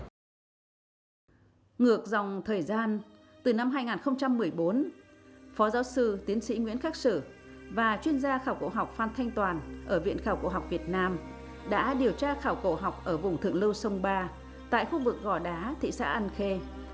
ngược dòng thời gian từ năm hai nghìn một mươi bốn phó giáo sư tiến sĩ nguyễn khắc sử và chuyên gia khảo cổ học phan thanh toàn ở viện khảo cổ học việt nam đã điều tra khảo cổ học ở vùng thượng lưu sông ba tại khu vực gò đá thị xã an khê